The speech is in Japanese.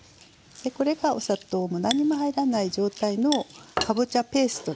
これがお砂糖も何にも入らない状態のかぼちゃペーストですね基本の。